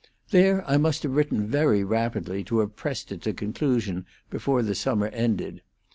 There I must have written very rapidly to have pressed it to conclusion before the summer ended.